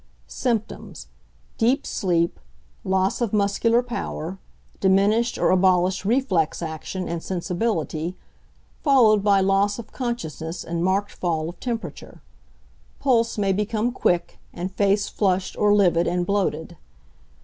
Symptoms. Deep sleep, loss of muscular power, diminished or abolished reflex action and sensibility, followed by loss of consciousness and marked fall of temperature. Pulse may become quick, and face flushed or livid and bloated.